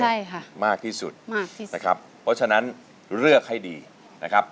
ใช่ค่ะมากที่สุดมากที่สุดนะครับเพราะฉะนั้นเลือกให้ดีนะครับ